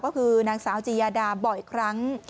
ก็คือนางสาวจียาดาบ่อยครั้ง